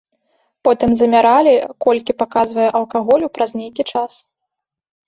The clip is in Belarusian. Потым замяралі, колькі паказвае алкаголю праз нейкі час.